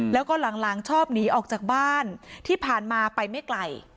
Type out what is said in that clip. แล้วก็หลังชอบหนีออกจากบ้านที่ผ่านมาไปไม่ไกล